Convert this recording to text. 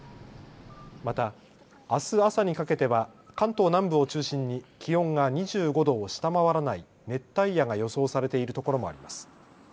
またあす朝にかけては関東南部を中心に気温が２５度を下回らない熱帯夜が予想されているところもあります。